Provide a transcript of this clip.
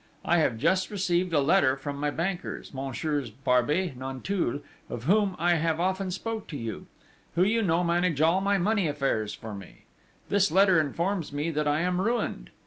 _ _I have just received a letter from my bankers, Messieurs Barbey Nanteuil, of whom I have often spoken to you, who you know manage all my money affairs for me._ _This letter informs me that I am ruined.